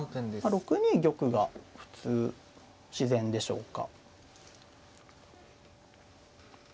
６二玉が普通自然でしょうか。